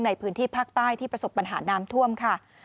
ในพื้นที่ภาคใต้ที่ประสบปัญหาน้ำท่วมค่ะ